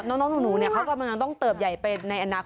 น้องหนูเขากำลังต้องเติบใหญ่ไปในอนาคต